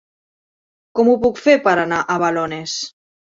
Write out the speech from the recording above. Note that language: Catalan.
Com ho puc fer per anar a Balones?